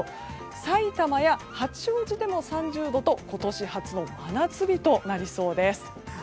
さいたまや八王子でも３０度と今年初の真夏日となりそうです。